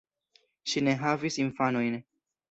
Ŝi ne havis infanojn.